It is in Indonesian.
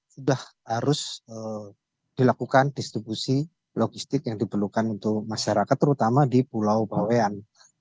sudah harus dilakukan distribusi logistik yang diperlukan untuk masyarakat terutama di pulau bawean